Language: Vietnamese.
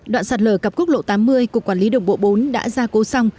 đoạn sạt lở cặp quốc lộ tám mươi của quản lý đồng bộ bốn đã ra cố xong